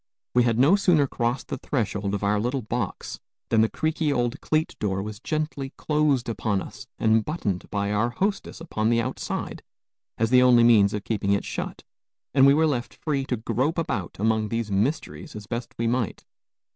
We had no sooner crossed the threshold of our little box than the creaky old cleat door was gently closed upon us and buttoned by our hostess upon the outside, as the only means of keeping it shut; and we were left free to grope about among these mysteries as best we might.